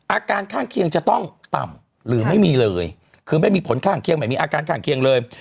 อาการข้างเคียงจะต้องต่ำหรือไม่มีเลยคือไม่มีผลข้างเคียงไม่มีอาการข้างเคียงเลย